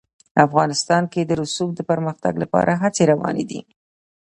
افغانستان کې د رسوب د پرمختګ لپاره هڅې روانې دي.